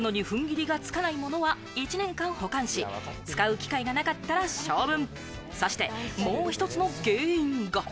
捨てるのに、ふんぎりがつかないものは１年間保管し、使う機会がなかったら処分。